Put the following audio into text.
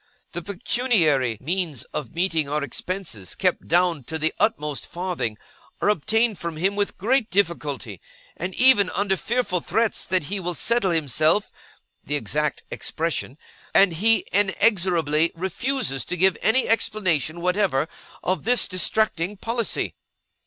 The pecuniary means of meeting our expenses, kept down to the utmost farthing, are obtained from him with great difficulty, and even under fearful threats that he will Settle himself (the exact expression); and he inexorably refuses to give any explanation whatever of this distracting policy.